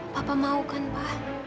papa mau kan pa